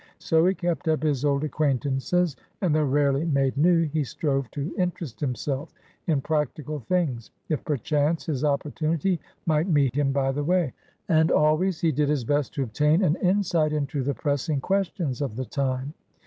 So he kept up his old acquaintances, andthough rarely made new; he strove to interest himself in practical things, if perchance his opportunity might meet him by the way; and always he did his best to obtain an insight into the pressing questions of the time.